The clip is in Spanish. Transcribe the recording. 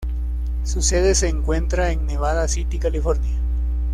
Su sede se encuentra en Nevada City, California.